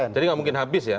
jadi tidak mungkin habis ya